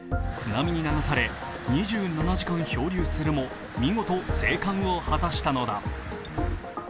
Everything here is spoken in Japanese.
津波に流され、２７時間漂流するも、見事、生還を果たしたのだ。